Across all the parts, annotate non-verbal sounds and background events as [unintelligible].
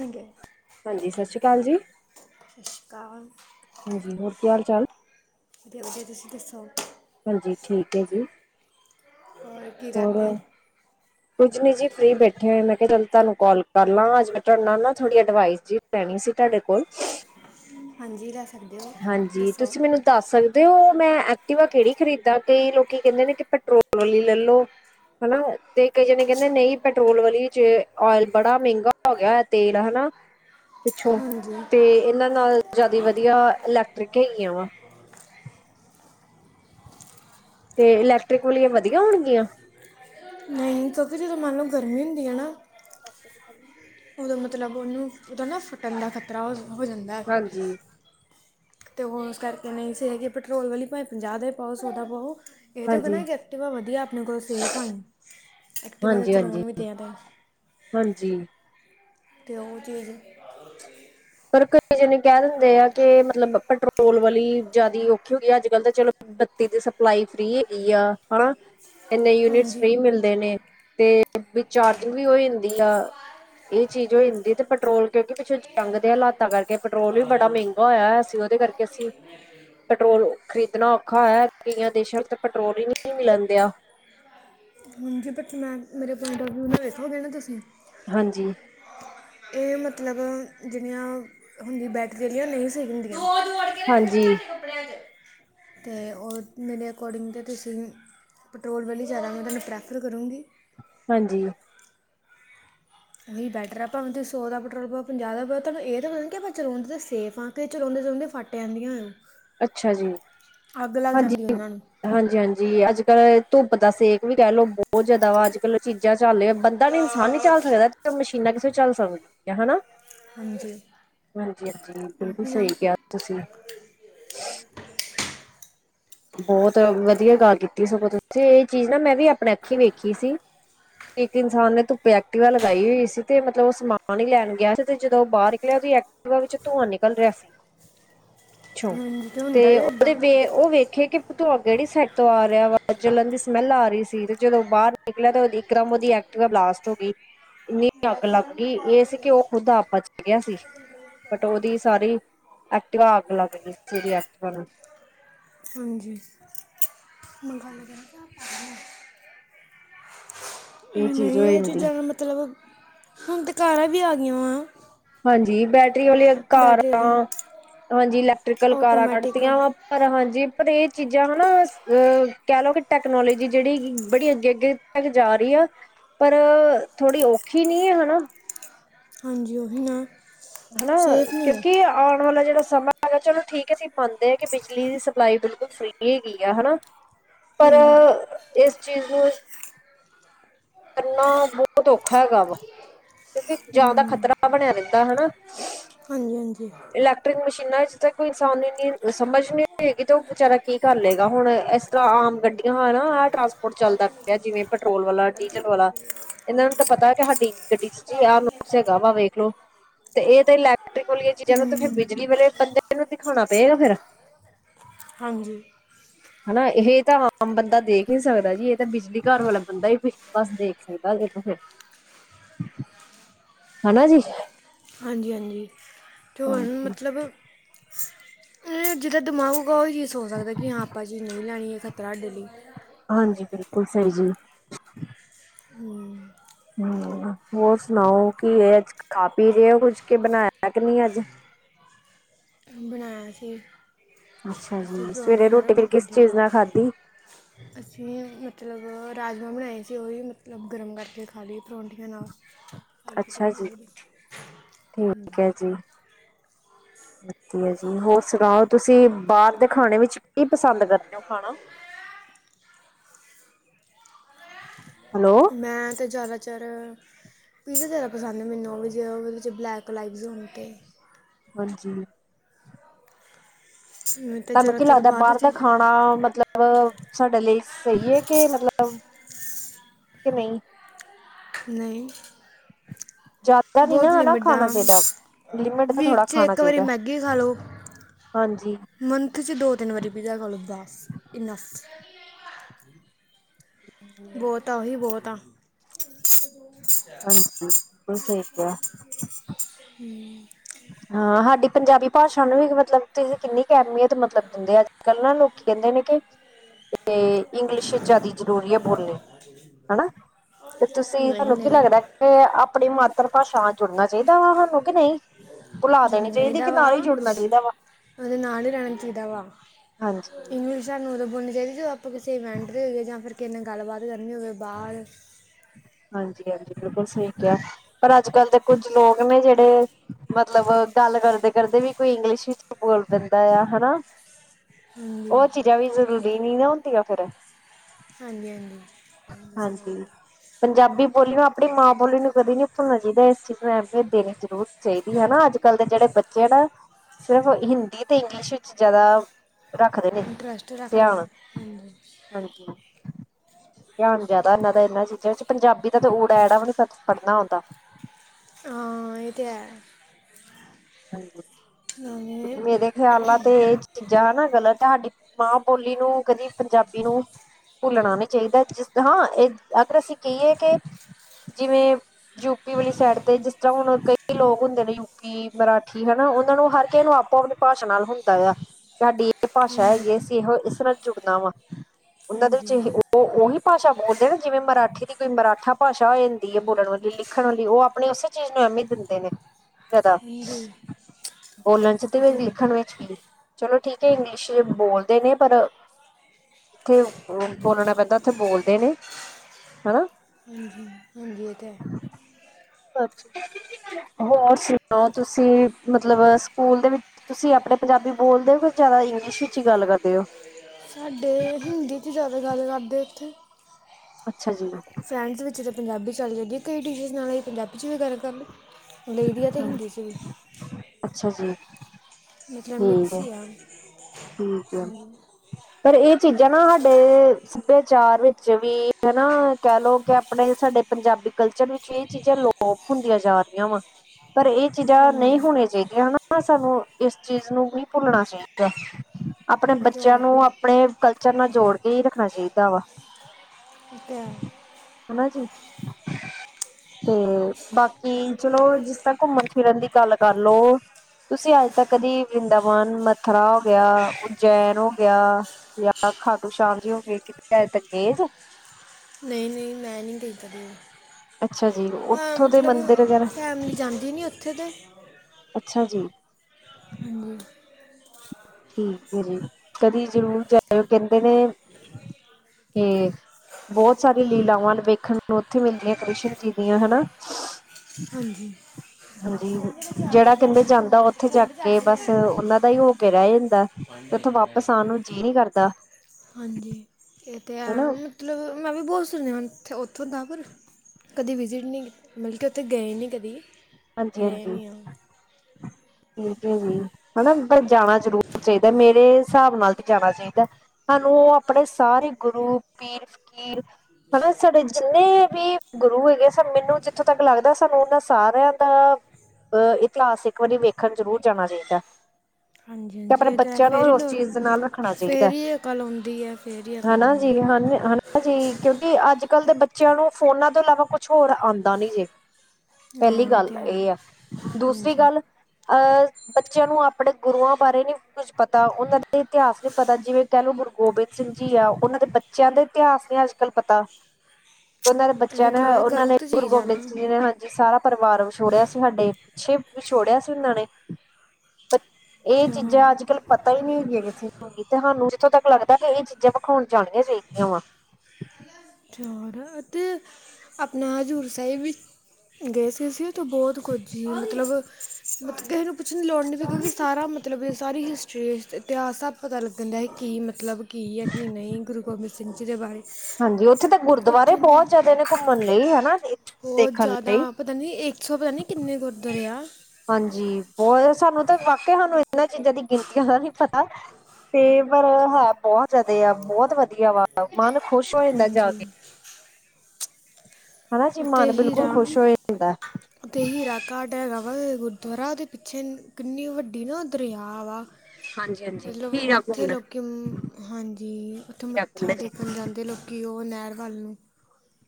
ਹਾਂਜੀ ਹਾਂਜੀ, ਸਤਿ ਸ੍ਰੀ ਅਕਾਲ ਜੀ। ਸਤਿ ਸ਼੍ਰੀ ਅਕਾਲ ਹਾਂਜੀ, ਹੋਰ ਕੀ ਹਾਲ-ਚਾਲ? ਵਧੀਆ-ਵਧੀਆ, ਤੁਸੀਂ ਦੱਸੋਂ? ਹਾਂਜੀ, ਠੀਕ ਹੈ ਜੀ। ਹੋਰ ਕੀ ਹੋਰ ਕਰਦੇ? ਕੁੱਝ ਨਹੀਂ ਜੀ ਫਰੀ ਬੈਠੇ ਹੋਏ। ਮੈਂ ਕਿਹਾ ਚੱਲ ਤੁਹਾਨੂੰ ਕਾੱਲ ਕਰ ਲਾਂ। ਅੱਜ ਮੈਂ ਤੁਹਾਡੇ ਨਾਲ ਨਾ ਥੋੜ੍ਹੀ ਐਡਵਾਈਸ ਜਿਹੀ ਲੈਣੀ ਸੀ। ਤੁਹਾਡੇ ਕੋਲ। ਹਾਂਜੀ ਲੈ ਸਕਦੇ ਹੋ ਹਾਂਜੀ, ਦੱਸੋ ਤੁਸੀਂ ਮੈਨੂੰ ਦੱਸ ਸਕਦੇ ਹੋ? ਮੈਂ ਐਕਟਿਵਾ ਕਿਹੜੀ ਖਰੀਦਾ ਤੇ ਲੋਕੀਂ ਕਹਿੰਦੇ ਨੇ ਕਿ ਪੈਟਰੋਲ ਵਾਲੀ ਲੈਲੋ, ਹਨਾ। ਤੇ ਕਈ ਜਾਣੇ ਕਹਿੰਦੇ ਨਹੀਂ ਪੈਟਰੋਲ ਵਾਲੀ ਚ ਓਇਲ ਬੜਾ ਮਹਿੰਗਾ ਹੋ ਗਿਆ, ਤੇਲ ਹਨਾ। ਪਿੱਛੋ ਹਾਂਜੀ ਤੇ ਇਹਨਾਂ ਨਾਲ ਜਿਆਦੀ ਵਧੀਆ ਇਲੈਕਟ੍ਰਿਕ ਹੈਗੀਆਂ ਵਾ ਤੇ ਇਲੈਕਟ੍ਰਿਕ ਹੋਲੀਆਂ ਵਧੀਆ ਹੋਣਗੀਆਂ? ਨਹੀਂ ਕਿਉਂਕਿ ਜਦੋਂ ਮੰਨ ਲਓ ਗਰਮੀ ਹੁੰਦੀ ਹੈ ਨਾ [inaudible] [unintelligible] ਉਹਦੋ ਮਤਲਬ ਉਹਨੂੰ ਦਾ ਨਾ ਫੱਟਣ ਦਾ ਖਤਰਾ ਹੋ ਜਾਂਦਾ ਹੇਗਾ ਹਾਂਜੀ ਅਤੇ ਉਹ ਉਸ ਕਰਕੇ ਨਹੀਂ ਸੀ ਹੈਗੀ ਪੈਟਰੋਲ ਵਾਲੀ ਭਾਂ ਪੰਜਾਹ ਦੇ ਪਾਓ ਸੌਦਾ ਪਾਓ ਇਹਦੇ ਕ ਹਾਂਜੀ ਨਾ ਇਕੈਕਟਿਵਾ ਵਧੀਆ ਆਪਣੇ ਕੋਲੋਂ ਸੇਫ ਆਈ ਐਕਟਿਵਾ ਦੇ ਹਾਂਜੀ ਹਾਂਜੀ ਚਲਾਉਣ ਵੀ ਦਿਆਂ ਤਾਂ ਹਾਂਜੀ ਅਤੇ ਉਹ ਚੀਜ਼ ਪਰ ਕਹਿ ਦਿੰਦੇ ਆ ਕਿ ਮਤਲਬ ਪੈਟਰੋਲ ਵਾਲੀ ਜਿਆਦਾ ਔਖੀ ਹੋ ਗਈ ਆ ਅੱਜ ਕੱਲ ਤਾਂ ਚਲੋ ਦੀ ਸਪਲਾਈ ਫ੍ਰੀ ਹੈਗੀ ਆ। ਹਨਾ, ਇੰਨੇ ਯੂਨਿਟ ਹਾਂਜੀ ਫ੍ਰਰੀ ਮਿਲਦੇ ਨੇ। ਤੇ। ਵਿੱਚ ਚਾਰਜਿੰਗ ਵੀ ਹੋ ਜਾਂਦੀ ਆ। ਇਹ ਚੀਜ਼ ਹੋ ਜਾਂਦੀ ਤੇ। ਪੈਟਰੋਲ ਕਿਉਂਕਿ, ਪਿੱਚੇ ਜੰਗ- ਦੇ ਹਾਲਾਤਾਂ ਕਰਕੇ ਪੈਟਰੋਲ ਵੀ ਬੜਾ ਮਹਿੰਗਾ ਹੋਇਆ ਸੀ ਉਹਦੇ ਕਰਕੇ ਅਸੀਂ ਪੈਟਰੋਲ ਖ਼ਰੀਦਣਾ ਔਖਾ ਹੈ ਕਈਆਂ ਦੇਸ਼ਾਂ ਵਿੱਚ ਤਾਂ ਪੈਟਰੋਲ ਹੀ ਨਹੀਂ ਮਿਲਣ ਡਿਆ [inaudible] ਹਾਂਜੀ ਬੱਟ ਮੈਂ ਮੇਰੇ ਪੁਆਇੰਟ ਔਫ ਵਿਊ ਨਾਲ ਵੇਖੋਗੇ ਨਾ ਤੁਸੀਂ ਹਾਂਜੀ ਇਹ ਮਤਲਬ ਜਿਹੜੀਆਂ ਹੁੰਦੀ ਬੈਟਰੀ ਵਾਲੀਆਂ ਨਹੀਂ ਸਹੀ ਹੁੰਦੀਆਂ ਕੇ ਰੱਖੇ ਮੈਂ ਹਾਂਜੀ ਤੁਹਾਡੇ ਕੱਪੜਿਆਂ ਅਤੇ ਉਹ ਮੇਰੇ ਅਕੋਡਿੰਗ ਤਾਂ ਤੁਸੀਂ ਪੈਟਰੋਲ ਵਾਲੀ ਜ਼ਿਆਦਾ ਮ- ਸਫ਼ਰ ਕਰੂੰਗੀ ਹਾਂਜੀ ਉਹੀ ਬੈਟਰ ਆ ਭਾਵੇਂ ਤੁਂ ਸੌ ਦਾ ਪੈਟਰੋਲ ਪਾ ਪੰਜਾਹ ਦਾ ਪ ਤੁਹਾਨੂੰ ਇਹ ਤਾਂ [unintelligible] ਚਲੋਂਦੇ ਸੇਫ ਆ ਕੇ ਚਲੌਂਦੇ ਉਹਦੇ ਫੱਟ ਜਾਂਦੀਆਂ ਆ ਅੱਛਾ ਜੀ ਹਾਂਜੀ ਜਾਂਦੀ ਉਹਨਾਂ ਨੂੰ ਹਾਂਜੀ ਹਾਂਜੀ ਅੱਜ ਕੱਲ੍ਹ ਧੁੱਪ ਦਾ ਸੇਕ ਵੀ ਕਹਿ ਲੋਓ ਬਹੁਤ ਜ਼ਿਆਦਾ ਵਾ ਅੱਜ ਕੱਲ ਚੀਜ਼ਾਂ ਚੱਲ ਬੰਦਾ ਨੀ ਇਨਸਾਨ ਨੀ ਚੱਲ ਸਕਦਾ ਮਸ਼ੀਨਾਂ ਕਿਸੇ ਚੱਲ ਸਕਦੀਆਂ ਹਨਾ ਹਾਂਜੀ ਹਾਂਜੀ ਹਾਂਜੀ ਬਿਲਕੁਲ ਉਹੀ ਨਾ ਸਹੀ ਕਿਹਾ ਤੁਸੀਂ ਬਹੁਤ ਵਧੀਆ ਗੱਲ ਕੀਤੀ ਸਗੋਂ ਤੁਸੀਂ ਇਹ ਚੀਜ਼ ਨਾ ਮੈਂ ਵੀ ਆਪਣੇ ਅੱਖੀ ਵੇਖੀ ਸੀ ਇੱਕ ਇਨਸਾਨ ਨੇ ਧੁੱਪੇ ਐਕਟੀਵਾ ਲਗਾਈ ਹੋਈ ਸੀ ਤੇ ਮਤਲਬ ਉਹ ਸਮਾਨ ਹੀ ਲੈਣ ਗਿਆ ਸੀ ਤੇ ਜਦੋਂ ਉਹ ਬਾਹਰ ਨਿਕਲਿਆ ਦੀ ਐਕਟਿਵਾ ਵਿੱਚ ਧੂੰਆਂ ਨਿਕਲ ਰਿਹਾ ਸੀ ਪਿੱਛੋਂ ਹਾਂਜੀ ਹੁੰਦਾ ਤੇ ਹੀ ਇੱਦਾਂ ਉਹਦੇ ਉਹ ਵੇਖ ਭਤੂਆ ਕੇਹੜੀ ਸਾਈਡ ਤੋਂ ਆ ਰਿਹਾ ਵਾ ਜਲਣ ਦੀ ਸਮੈਲ ਆ ਰਹੀ ਸੀ ਤੇ ਜਦੋਂ ਬਾਹਰ ਨਿਕਲਿਆ ਤੇ ਇਕ ਦੱਮ ਉਹਦੀ ਐਕਟ ਬਲਾਸਟ ਹੋ ਗਈ ਇੰਨੀ ਅੱਗ ਲੱਗ ਗਈ ਇਹ ਸੀ ਕਿ ਉਹ ਖੁੱਦ ਆਪ ਬਚ ਗਿਆ ਸੀ ਬਟ ਉਹਦੀ ਸਾਰੀ ਐਕਟਿਵਾ ਅੱਗ ਲੱਗ ਗਈ ਸੀ ਐਕਟਵਾ ਨੂੰ ਹਾਂਜੀ ਇਹ ਚੀਜ਼ ਹੋ ਨਹੀਂ ਇਹ ਜਾਂਦੀ ਚੀਜ਼ਾਂ ਮਤਲਬ ਹੁਣ ਤੇ ਕਾਰਾਂ ਵੀ ਆ ਗਈਆਂ ਵਾਂ ਹਾਂਜੀ ਬੈਡ ਕਟਰੀ ਵਾਲੀਆਂ ਵਾਲੀਆਂ ਕਾਰਾਂ, ਹਾਂਜੀ ਇਲੈਕਟ੍ਰਕਲ ਕਾਰਾਂ ਆਟੋਮੈਟਿਕ ਕੱਢਦੀਆਂ ਵਾ, ਪਰ ਹਾਂਜੀ ਪਰ ਇਹ ਚੀਜ਼ਾਂ ਹੈਨਾ ਅ, ਕਹਿ ਲੋ ਕਿ ਟੈਕਨੋਲੋਜੀ ਜਿਹੜੀ ਹੈਗੀ, ਬੜੀ ਅੱਗੇ ਅੱਗੇ ਤੱਕ ਜਾ ਰਹੀ ਏ। ਪਰ ਥੋੜ੍ਹੀ ਔਖੀ ਨੀ ਹੈ, ਹੈਨਾ। ਹਾਂਜੀ ਔਹੀ ਨਾ। ਹੈਨਾ, ਸੇਫ ਨਹੀਂ ਆ ਕਿਉਂਕਿ ਆਉਣ ਵਾਲਾ ਜਿਹੜਾ ਸਮਾਂ ਹਾਂ ਚਲੋ ਠੀਕ ਹੈ, ਅਸੀਂ ਮੰਨਦੇ ਹਾਂ ਕਿ ਬਿਜਲੀ ਦੀ ਸਪਲਾਈ ਬਿਲਕੁਲ ਫ੍ਰੀ ਹੈਗੀ ਆ, ਹੈਨਾ। ਪਰ ਹਾਂਜੀ ਇਸ ਚੀਜ਼ ਨੂੰ ਕਰਨਾ ਬਹੁਤ ਔਖਾ ਹੈਗਾ ਵਾ। ਕਿਉਂਕਿ ਜਾਣ ਦਾ ਹੂੰ ਖ਼ਤਰਾ, ਬਣਿਆ ਰਹਿੰਦਾ ਹੈਨਾ। ਹਾਂਜੀ ਹਾਂਜੀ ਇਲੈਕਟ੍ਰਿਕ ਮਸ਼ੀਨਾ ਚ ਤਾਂ ਕੋਈ ਇਨਸਾਨ ਇੰਨੀ ਸਮਝ ਨਹੀਂ ਆਏਗੀ, ਤੇ ਉਹ ਵਿਚਾਰਾ ਕੀ ਕਰ ਲਏਗਾ? ਹੁਣ ਇਸ ਤਰ੍ਹਾਂ ਆਮ ਗੱਡੀਆਂ ਹਨ ਨਾ? ਹਾਂ ਆਹ ਟਰਾਂਸਪੋਰਟ ਚੱਲਦਾ ਪਿਆ, ਜਿਵੇਂ ਪੈਟਰੋਲ ਵਾਲਾ, ਡੀਜ਼ਲ ਵਾਲਾ। ਇਹਨਾਂ ਨੂੰ ਤਾਂ ਪਤਾ ਕਿ ਸਾਡੀ ਗੱਡੀ ਚ, ਜੀ ਆਹ, ਨੁਕਸ ਹੈਗਾ ਵਾ ਵੇਖ ਲੋ। ਤੇ ਇਹ ਤਾਂ ਇਲੈਕਟ੍ਰਿਕ ਵਾਲੀ ਏ ਚੀਜ਼ਾਂ ਨੂੰ ਤੇ ਫਿਰ ਹੂੰ ਬਿਜਲੀ ਵਾਲੇ ਬੰਦੇ ਨੂੰ ਦਿਖਾਉਣਾ ਪਏਗਾ ਫੇਰ। ਹਾਂਜੀ। ਹਨਾ ਇਹ ਤਾਂ ਆਮ ਬੰਦਾ ਦੇਖ ਨੀ ਸਕਦਾ ਜੀ ਇਹ ਤਾਂ ਬਿਜਲੀ ਘਰ ਵਾਲਾ ਬੰਦਾ ਹੀ ਬਸ ਦੇਖ ਸਕ ਕਾਲ ਦੇਖੋ ਫ਼ਿਰ ਹੈਨਾ ਜੀ। ਹਾਂਜੀ-ਹਾਂਜੀ ਤੇ ਹੋਰ ਹਾਂਜੀ ਮਤਲਬ ਜਿਦਾਂ ਦਿਮਾ ਕੋਈ ਵੀ ਸੋਚ ਸਕਦਾ ਕਿ ਹਾਂ ਆਪਾਂ ਜੀ ਨਹੀਂ ਲੈਣੀ ਹੈ ਖਤਰਾ ਸਾਡੇ ਲਈ। ਹਾਂਜੀ ਬਿਲਕੁਲ ਸਹੀ ਜੀ। ਹੂੰ ਹੂੰ ਹੋਰ ਸੁਣਾਓ? ਕਿ ਇਹ ਅੱਜ ਖਾ ਪੀ ਰਹੇ ਹੋ ਕੁੱਝ ਕੇ ਬਣਾਇਆ ਕਿ ਨਹੀਂ ਅੱਜ [inaudible] ਹਾਂਜੀ। ਅੱਛਾ ਜੀ, ਸਵੇਰੇ ਰੋਟੀ ਫਿਰ ਕਿਸ ਖਾਧੀ ਚੀਜ਼ ਨਾਲ ਖਾਧੀ? ਅਸੀਂ ਮਤਲਬ ਰਾਜਮਹ ਬਣਾਏ ਸੀ, ਉਹਦੀ ਮਤਲਬ ਗਰਮ ਕਰਕੇ ਖਾਲੀ ਪਰੌਠੀਆਂ ਨਾਲ। ਅੱਛਾ ਜੀ, ਹਾਂਜੀ ਠੀਕ ਹੈ ਜੀ। ਵਧੀਆ ਜੀ, ਹੋਰ ਸੁਣਾਓ? ਤੁਸੀਂ ਬਾਹਰ ਦੇ ਖਾਣੇ ਵਿੱਚ ਕੀ ਪਸੰਦ ਕਰਦੇ ਖਾਣਾ? ਹ ਮੈਂ ਤਾਂ ਜ਼ਿਆਦਾ ਚਾਰ ਪੀਜ਼ਾ ਜ਼ਿਆਦਾ ਪਸੰਦ ਹੈ, ਮੈਨੂੰ ਉਹ ਵੀੇ ਉਹਦੇ 'ਚ ਬਲੈਕ ਲਾਈਵਜ਼ ਹੋਣ। ਹਾਜੀ। ਮੈਂ ਤਾਂ ਤੁਹਾਨੂੰ ਕੀ ਜ਼ਿਆਦਾਤਰ ਲੱਗਦਾ ਦੀ ਬਾਹਰ ਦਾ ਚੀਜ਼ ਖਾਣਾ ਮਤਲਬ ਸਾਡੇ ਲਈ ਸਹੀ ਹੈ, ਕਿ ਮਤਲਬ ਕਿ ਨਹੀਂ। ਨਹੀਂ। ਜ਼ਿਆਦਾ ਨੀ ਬਹੁਤ ਨਾ ਹਨਾ ਲਿਮਿਟ ਆ ਖਾਣਾ ਚਾਹੀਦਾ ਲਿਮਿਟ ਦਾ ਥੋੜਾ ਵੀਕ 'ਚ ਖਾਣਾ ਇੱਕ ਵਾਰੀ ਚਾਹੀਦਾ ਮੈਗੀ ਖਾ ਲਓ ਹਾਂਜੀ ਮੰਥ ਚ ਦੋ ਤਿੰਨ ਵਾਰੀ ਪੀਜਾ ਖਾਲੋ ਬਸ ਇੰਨਾ ਬਹੁਤ ਆ ਹੀ ਬਹੁਤ ਆ। ਹਾਂਜੀ, ਬਿਲਕੁਲ ਸਹੀ ਕਿਹਾ। ਹੂੰ। ਹਾਂ ਸਾਡੀ ਪੰਜਾਬੀ ਭਾਸ਼ਾ ਨੂੰ ਵੀ ਮਤਲਬ ਤੁਸੀਂ ਕਿੰਨੀ ਕੁ ਅਹਿਮੀਅਤ ਮਤਲਬ ਦਿੰਦੇ ਅੱਜ-ਕੱਲ੍ਹ ਨਾ ਲੋਕੀ ਕਹਿੰਦੇ ਨੇ ਕਿ ਤੇ ਇੰਗਲਿਸ਼ ਜ਼ਿਆਦਾ ਜ਼ਰੂਰੀ ਹੈ ਬੋਲਣੀ। ਹਨਾ ਤੇ, ਤੁਸੀਂ ਨਹੀਂ ਤੁਹਾਨੂੰ ਕੀ ਨਹੀਂ ਲੱਗਦਾ ਕਿ ਆਪਣੀ ਮਾਤਾ ਪੁਤਰ ਭਾਸ਼ਾ ਜੁੜਨਾ ਚਾਹੀਦਾ, ਵਾ ਸਾਨੂੰ ਕਿ ਨਹੀਂ। ਭੁਲਾ ਦੇਣੀ ਜਿੰਨਾ ਚਾਹੀਦੀ, ਚਾਹੀਦਾ ਕਿ ਵਾ ਨਾਲ ਹੀ ਜੁੜਨਾ ਚਾਹੀਦਾ ਵਾ। ਉਹਦੇ ਨਾਲ ਹੀ ਰਹਿਣਾ ਚਾਹੀਦਾ ਵਾ ਹਾਂਜੀ। ਇੰਗਲਿਸ਼ ਸਾਨੂੰ ਬੋਲਨੀ ਚਾਹੀਦੀ ਐ, ਜਦੋਂ ਆਪਾਂ ਕਿਸੇ ਵੈਂਡਰੀ ਹੋਏ ਜਾਂ ਫਿਰ ਕਿਸੇ ਨਾਲ ਗੱਲਬਾਤ ਕਰਨੀ ਹੋਵੇ ਬਾਹਰ। [inaudible] ਹਾਂਜੀ-ਹਾਂਜੀ, ਬਿਲਕੁਲ ਸਹੀ ਕਿਹਾ ਪਰ ਅੱਜ-ਕੱਲ ਦੇ ਕੁੱਝ ਲੋਕ ਨੇ ਜਿਹੜੇ ਮਤਲਬ ਗੱਲ ਕਰਦੇ-ਕਰਦੇ ਵੀ ਕੋਈ ਇੰਗਲਿਸ਼ ਵਿੱਚ ਬੋਲ ਦਿੰਦਾ ਆ ਹਨਾ। ਹਾਂਜੀ ਉਹ ਚੀਜ਼ਾਂ ਵੀ ਜ਼ਰੂਰੀ ਨੀ ਨਾ ਹੁੰਦੀਆਂ ਫੇਰ। ਹਾਂਜੀ-ਹਾਂਜੀ। ਹਾਂਜੀ ਪੰਜਾਬੀ ਬੋਲੀ ਨੂੰ ਆਪਣੀ ਮਾਂ ਬੋਲੀ ਨੂੰ ਕਦੇ ਨੀ ਭੁੱਲਣਾ ਚਾਹੀਦਾ, ਇਸ ਚੀਜ਼ ਨੂੰ ਐ ਦੇਣੀ ਜ਼ਰੂਰ। ਚਾਈਦੀ ਹਨਾ, ਅੱਜ-ਕੱਲ੍ਹ ਦੇ ਜੇੜੇ ਬੱਚੇ ਐ ਨਾ ਸਿਰਫ ਹਿੰਦੀ ਤੇ ਇੰਗਲਿਸ਼ ਵਿੱਚ ਜਾਦਾ ਇੰਟਰਟਰਸਟ ਰਾਖਦੇ ਨੇ, ਹੂੰ। ਹਾਂਜੀ ਧਿਆਨ ਜਾਦਾ ਏਨਾ ਦਾ ਏਨਾਂ ਚੀਜ਼ਾਂ ਚ, ਪੰਜਾਬੀ ਦਾ ਤੇ ਉੜਾ ਐੜਾ ਵੀ ਨੀ ਪਤ ਪੜ੍ਹਨਾ ਆਦਾ। ਹਾਂ ਇਹ ਤਾਂ ਹੈ ਹਾਂਜੀ। ਨਵੇਂ ਮੇਰੇ ਖਿਆਲ ਨਾਲ ਤੇ ਇਹ ਜਾ ਨਾ ਗਲਤ, ਤੁਹਾਡੀ ਮਾਂ ਬੋਲੀ ਨੂੰ, ਕਦੀ ਪੰਜਾਬੀ ਨੂੰ ਭੁੱਲਣਾ ਨਹੀਂ ਚਾਹੀਦਾ, ਜਿਸ ਦਾ ਇਹ, ਅਗਰ ਅਸੀਂ ਕਹੀਏ ਕਿ ਜਿਵੇਂ ਯੂਪੀ ਵਾਲੀ ਸਾਈਡ ਤੇ, ਜਿਸ ਤਰ੍ਹਾਂ ਹੁਣ ਕਈ ਲੋਕ ਹੁੰਦੇ ਨੇ, ਯੂਪੀ, ਮਰਾਠੀ ਹੈਨਾ ਉਹਨਾਂ ਨੂੰ ਹਰ ਨੂੰ ਆਪੋ ਆਪਣੀ ਭਾਸ਼ਾ ਨਾਲ ਹੁੰਦਾ ਆ ਕਿ ਸਾਡੀ ਇਹ ਭਾਸ਼ਾ ਹੈ ਹਾਂਜੀ ਜ ਅਸੀਂ ਇਹੋ ਇਸ ਨਾਲ ਜੁੜਨਾ ਵਾ। ਉਹਨਾਂ ਦੇ ਹਾਂਜੀ ਵਿੱਚ ਹੀ ਏ ਔਹੀ ਭਾਸ਼ਾ ਬੋਲਦੇ ਨੇ ਜਿਵੇਂ ਮਰਾਠੀ ਦੀ ਕੋਈ ਮਰਾਠਾ ਭਾਸ਼ਾ ਹੋ ਜਾਂਦੀ ਹੈ ਬੋਲਣ ਵਾਲੀ, ਲਿਖਣ ਵਾਲੀ, ਔਹ ਆਪਣੀ ਉਸੇ ਚੀਜ਼ ਨੂੰ ਅਹਿਮੀਤ ਦਿੰਦੇ ਨੇ। ਜ਼ਿਆਦਾ ਹਾਂਜੀ ਇਹ ਬੋਲਣ ਚ, ਤੇ ਤਾਂ ਹੈ ਲਿਖਣ ਵਿੱਚ ਵੀ ਚਲੋ ਠੀਕ ਹੈ ਇੰਗਲਿਸ਼ ਬੋਲਦੇ ਨੇ, ਪਰ ਜੀਥੇ ਬੋਲਣਾ ਪੈਂਦਾ, ਉੱਥੇ ਬੋਲਦੇ ਨੇ ਹਨਾ। ਹਾਂਜੀ-ਹਾਂਜੀ, ਐ ਤੇ ਹੈ। ਹੋਰ ਸੁਣਾਓ ਤੁਸੀਂ, ਮਤਲਬ ਸਕੂਲ ਦੇ ਵਿੱਚ ਤੁਸੀਂ ਅਪ ਆਪਣੇ ਪੰਜਾਬੀ ਬੋਲਦੇ ਹੋ, ਕਿ ਜ਼ਿਆਦਾ ਇੰਗਲਿਸ਼ ਵਿੱਚ ਹੀ ਗੱਲ ਕਰਦੇ ਹੋ? ਸਾਡੇ ਹਿੰਦੀ 'ਚ ਜ਼ਿਆਦਾ ਗੱਲ ਕਰਦੇ ਇੱਥੇ ਅੱਛਾ ਜੀ। ਫਰੈਂਡਸ ਵਿੱਚ ਜੇ ਪੰਜਾਬੀ ਚਲ ਜਾਂਦੀ, ਕਈ ਟੀਚਰਸ ਨਾਲ ਵੀ, ਪੰਜਾਬੀ ਚ ਵੀ ਗੱਲ ਕਰਲੋ। ਲਈ ਦੀ ਐ, ਤੇ ਹਿੰਦੀ ਚ ਵੀ ਅੱਛਾ ਜੀ। ਮਤਲਬ ਠੀਕ ਮਿਕਸ ਹੈ ਹੀ ਐ। ਠੀਕ ਹੈ। ਪਰ ਇਹ ਚੀਜ਼ਾਂ ਨਾ ਸਾਡੇ ਸੱਭਿਆਚਾਰ ਵਿੱਚ ਵੀ, ਹੈਨਾ, ਕਹਿ ਲਓ ਕਿ ਆਪਣੇ, ਸਾਡੇ ਪੰਜਾਬ ਕਲਚਰ ਵਿੱਚ ਇਹ ਚੀਜ਼ਾਂ ਲੋਪ ਹੁੰਦੀਆਂ ਜਾ ਰਹੀਆਂ ਵਾ, ਪਰ ਇਹ ਚੀਜ਼ਾਂ ਨਹੀਂ ਹਾਂਜੀ ਹੋਣੀਆਂ ਹਾਂ ਹਾਂ, ਸਾਨੂੰ ਇਸ ਚੀਜ਼ ਨੂੰ ਨੀ ਭੁੱਲਣਾ ਚਾਹੀਦਾ। ਆਪਣੇ ਤੇ ਹੋਰ ਬੱਚਿਆਂ ਨੂੰ, ਇਹ ਆਪਣੇ ਕਲਚਰ ਨਾਲ ਜੋੜ ਕੇ ਹੀ ਰੱਖਣਾ ਚਾਹੀਦਾ ਵਾ। ਤੇ ਐ [unintelligible] ਤੇ ਬਾਕੀ ਚਲੋ, ਜਿਸ ਤਰ੍ਹਾਂ ਘੁੰਮਣ ਫਿਰਨ ਦੀ ਗੱਲ ਕਰਲੋ। ਤੁਸੀਂ ਅੱਜ ਤੱਕ ਕਦੀ ਵਰਿੰਦਾਵਾਨ, ਮਥੁਰਾ ਹੋ ਗਿਆ, ਉਜਜੈਨ ਹੋ ਗਿਆ ਜਾਂ ਖਾਟੂ ਸ਼ਾਮ ਜੀ ਹੋ ਗੇ, ਕਿਤੇ ਅਜ ਤਕ ਗਏ ਜੇ? ਨਹੀਂ ਨਹੀਂ ਮੈਂ ਨਹੀਂ ਗਈ ਅੱਛਾ ਜੀ ਹਾਂ ਉੱਥੋਂ ਦੇ ਮਤਲਬ, ਮੰਦਿਰ ਵਗੈਰਾ ਫੈਮਲੀ ਜਾਂਦੀ ਨੀ ਉੱਥੇ ਤੇ ਅੱਛਾ ਜੀ। ਹੂ ਠੀਕ ਹੈ ਜੀ, ਕਦੀ ਜਰੂਰ ਜਾਇਓ, ਕਹਿੰਦੇ ਨੇ ਕਿ ਬਹੁਤ ਸਾਰੀ ਲੀਲਾਵਾਂ ਵੇਖਨ ਨੂੰ ਉੱਥੇ ਮਿਲਦੀਆਂ ਕ੍ਰਿਸ਼ਨ ਜੀ ਦੀਆਂ, ਹੇਨਾ। ਹਾਂਜੀ। ਹਾਂਜੀ, ਸਟੈਂਡ ਦਾ ਚਾਰਜ ਜਿਹੜਾ ਲੈਣ ਕਹਿੰਦੇ ਦੇ ਜਾਂਦਾ ਫੋਨ ਉੱਥੇ ਜਾ ਫੋਨ ਦਾ ਕੇ ਚਾਰਜ ਬਸ ਲੈਣ ਉਹਨਾਂ ਦਾ ਹੀ ਹੋ ਕੇ ਰਹਿ ਜਾਂਦਾ, ਤੇ ਉੱਥੋਂ ਵਾਪਿਸ ਆਨ ਨੂੰ ਜੀਅ ਨੀ ਕਰਦਾ। ਹਾਂਜੀ ਇਹ ਤਾਂ ਹਨਾ ਹੈ, ਮਤਲਬ ਮੈਂ ਵੀ ਬਹੁਤ ਸੁਨਿਆ ਹ ਉੱਥੇ ਉੱਥੋਂ ਦਾ ਪਰ, ਕਦੇ ਵਿਜ਼ਿਟ ਨਹੀਂ ਕੀਤ ਮਤਲਬ ਕਿ ਉੱਥੇ ਗੇ ਨਹੀਂ ਕਦੇ। ਹਾਂਜੀ ਰੇ ਹਾਂਜੀ ਮੀਆਂ ਠੀਕ ਹੈ ਜੀ, ਹਨਾ ਪਰ ਜਾਣਾ ਜ਼ਰੂਰ ਚਾਹੀਦਾ। ਮੇਰੇ ਹਿਸਾਬ ਨਾਲ ਤੇ ਜਾਣਾ ਚਾਹੀਦਾ ਹੈ, ਸਾਨੂੰ ਉਹ ਅਪਣੇ ਸਾਰੇ ਗੁਰੂ, ਪੀਰ, ਫ਼ਕੀਰ ਹਨਾ ਸਾਡੇ ਜਿੰਨੇ ਵੀ ਗੁਰੂ ਹੈਗੇ ਸਨ, ਮੈਨੂੰ ਜਿੱਥੋਂ ਤੱਕ ਲੱਗਦਾ ਸਾਨੂੰ ਉਹਨਾਂ ਸਾਰਿਆਂ ਦਾ ਅਹ ਇਤਿਹਾਸ ਇੱਕ ਵਾਰੀ ਵੇਖਣ ਜ਼ਰੂਰ ਜਾਣਾ ਚਾਹੀਦਾ। ਹਾਂਜੀ ਤੇ ਹਾਂਜੀ ਅਪਨੇ ਇਹ ਤਾਂ ਹੈ ਬੱਚਿਆਂ ਨੂੰ ਫੇਰ ਹੀ ਉਸ ਨੋ ਚੀਜ਼ ਦੇ ਨਾਲ ਰੱਖਣਾ ਚਾਹੀਦੇ, ਫੇਰ ਹੀ ਅਕਲ ਆਉਂਦੀ ਹੈ ਫੇਰ ਹੀ ਅਕਲ ਹੇਨਾ ਆਉਂਦੀ ਜੀ ਹੈ ਹ ਹੇਨਾ ਜੀ, ਕਿਉਂਕਿ ਅੱਜ ਕੱਲ ਦੇ ਬੱਚਿਆਂ ਨੂੰ ਫੋਨਾਂ ਤੋਂ ਇਲਾਵਾ ਕੁਛ ਹੋਰ ਆਂਦਾ ਨੀ ਜੇ। ਪਹਿਲੀ ਹਾਂ ਗੱਲ ਤਾਂ ਤੇ ਹੈ ਇਹ ਆ, ਦੂਸਰੀ ਹਾਂਜੀ ਗੱਲ, ਅਹ ਬੱਚਿਆਂ ਨੂੰ ਆਪਣੇ ਗੁਰੂਆਂ ਬਾਰੇ ਨੀ ਕੁੱਝ ਪਤਾ, ਉਹਨਾਂ ਦੇ ਇਤਿਹਾਸ ਨੀ ਪਤਾ ਜਿਵੇਂ ਕਹਿ ਲਓ ਗੁਰੂ ਗੋਬਿੰਦ ਸਿੰਘ ਜੀ। ਉਹਨਾਂ ਦੇ ਬੱਚਿਆਂ ਦੇ ਇਤਿਹਾਸ ਨੇ ਅੱਜ ਕੱਲ ਪਤਾ। ਉਹਨਾਂ ਦੇ ਇਹ ਬੱਚਿਆਂ ਨੇ ਗ- ਉਹਨਾਂ ਨੇ ਗਲਤ ਗੁਰੂ ਚੀਜ਼ ਆ ਗੋਬਿੰਦ ਨਾ ਸਿੰਘ ਜੀ ਨੇ, ਹਾਂਜੀ, ਸਾਰਾ ਪਰਿਵਾਰ ਵਿਛੋੜਿਆ ਸੀ ਸਾਡੇ ਛੇ ਵਿਛੋੜਿਆ ਸੀ ਉੰਨਾ ਨੇ ਇਹ ਚੋਰ ਚੀਜ਼ਾਂ ਅਜ ਕਲ ਪਤਾ ਈ ਨਹੀ ਹੈਗੀਆਂ ਕਿਸੇ ਨੂੰ, ਵੀ ਤੇ ਸਾਨੂੰ ਜਿਥੋਂ ਤਕ ਲਗਦੇ ਕਿ ਇਹ ਚੀਜ਼ਾਂ ਵਿਖਾਉਣ ਜਾਣੀਆਂ ਚਾਹੀਦੀਆਂ ਵਾ ਚਰ ਅਤੇ ਅਪਨਾ ਹਜ਼ੂਰ ਸਾਹਿਬ ਵੀ ਗਏ ਸੀ ਅਸੀ, ਉਹ ਤੇ ਬਹੁਤ ਕੁਝ ਹੀ ਮਤਲਬ ਮਤਬ ਕਿਹੇ ਪੁੱਛਣ ਦੀ ਲੋੜ ਨੀ ਪਈ ਕਿਉਕਿ ਸਾਰਾ ਮਲ ਮਤਲਬ ਇਹ ਸਾਰੀ ਹਿਸਟਰੀ ਇਤਿਹਾਸ, ਸਬ ਪਤਾ ਲੱਗਨ ਦਯਾ ਹੈ, ਕੀ ਮਤਲਬ ਕੀ ਹੈ। ਕੀ ਨਹੀ ਗੁਰੂ ਗੋਬਿੰਦ ਸਿੰਘ ਜਿਹ ਦੇ ਬਾਰੇ ਚ ਹਾਂਜੀ, ਉਥੇ ਤਾਂ ਗੁਰਦੁਆਰੇ ਬਹੁਤ ਜਿਆਦੇ ਨੇ ਘੁਮਨ ਲਈ, ਹੇਨਾ ਬਹੁਤ ਜ਼ਿਆਦਾ, ਪਤਾ ਨੀ ਏਕ ਸੋ ਪਤਾ ਨੀ ਕਿਨੇ ਗੁਰਦੁਆਰੇ ਆ ਤੇ ਵਾਕਿਆ ਮੈਨੂੰ ਇਹਨਾਂ ਚੀਜ਼ਾਂ ਦੀ ਗਿਨਤੀਆਂ ਦਾ ਨੀ ਪਤਾ, ਤੇ ਪਰ ਹੈ ਬਹੁਤ ਜ਼ਿਆਦੇ ਆ ਬਹੁਤ ਵਧੀਆ ਵਾ, ਮਨ ਖੁਸ਼ ਹੋ ਜਾਦਾਂ ਜਾ ਹਾਂਜੀ ਕੇ ਹੇਨਾ ਜੀ, ਮਨ ਬਿਲਕੁਲ ਖੁਸ਼ ਹੋ ਜਾਂਦੇ ਅਤੇ ਹੀਰਾ ਘਾਟ ਹੈਗਾ ਅਵਲ ਗੁਰਦੁਆਰਾ ਉਦੇ ਪਿਛੇ ਕਿਨੀ ਵਡੀ ਨਾ ਦਰਿਆ ਵਾ ਹਾਂਜੀ ਅ- ਮਤਲਬ ਉਥੇ ਲੋਕੀ, ਹਾਂਜੀ, ਉਥੇ ਹੀਰਾ ਕੁੰਡ ਮਥਾ ਜੀ ਟੇਕਣ ਜਾਂਦੇ ਲੋਕੀ ਉਹ ਨਹਿਰ ਗੱਲ ਨੂੰ-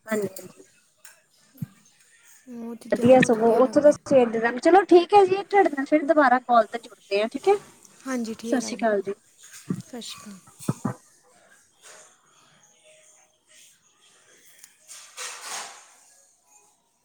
ਹਾਂਜੀ- ਹਾਂਜੀ ਉਹ ਚੀਜ਼ਾਂ ਵਧੀਆ ਬਹੁਤ ਸਗੋਂ ਉਥੋਂ ਲੱਗਦੀਆਂ ਸਵੇਰ ਦੇ, ਚਲੋ ਠੀਕ ਹੈ ਜੀ, ਤੁਹਾਡੇ ਨਾਲ ਫਿਰ ਦੁਬਾਰਾ ਕਾਲ ਤੇ [unintelligible] ਹਾਂਜੀ ਠੀਕ ਸਸ ਆ ਸ੍ਰੀ ਕਾਲ ਜੀ। ਸਤਿ ਸ਼੍ਰੀ ਅਕਾਲ [inaudible]